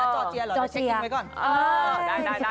ที่ไหนนะจอเจียเหรอเดี๋ยวเช็คติ้งไว้ก่อนเออจอเจีย